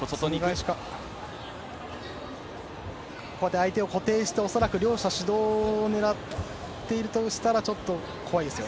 相手を固定して両者、指導を狙っているとしたらちょっと怖いです。